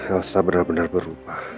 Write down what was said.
elsa benar benar berubah